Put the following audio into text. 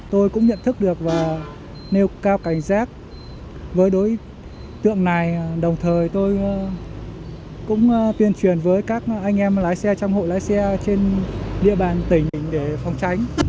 tôi cũng nhận thức được và nêu cao cảnh giác với đối tượng này đồng thời tôi cũng tuyên truyền với các anh em lái xe trong hộ lái xe trên địa bàn tỉnh để phòng tránh